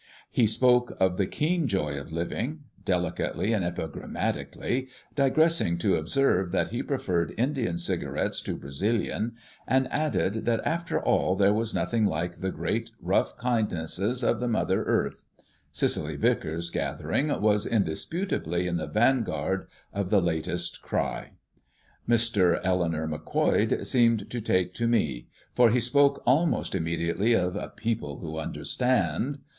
He spoke of the keen joy of living, delicately and epigrammatically, digressing to observe that he preferred Indian cigarettes to Brazilian, and adding that after all there was nothing like the great rough kindnesses of the Mother Earth. Cicely Vicars's gathering was indisputably in the vanguard of the latest cry. Mr. Eleanor Macquoid seemed to take to me, for he spoke almost immediately of "people who understand."